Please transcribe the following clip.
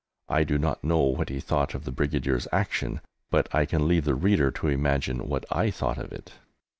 I do not know what he thought of the Brigadier's action, but I can leave the reader to imagine what I thought of it!